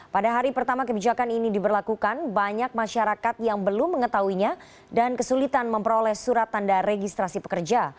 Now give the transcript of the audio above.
pada hari pertama kebijakan ini diberlakukan banyak masyarakat yang belum mengetahuinya dan kesulitan memperoleh surat tanda registrasi pekerja